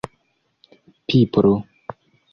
pipro